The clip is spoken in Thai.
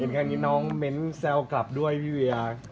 เห็นครั้งนี้น้องเม้นเซลกลับด้วยพี่เบียร์